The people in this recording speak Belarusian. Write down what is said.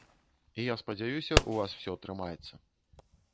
І я спадзяюся, у вас усё атрымаецца.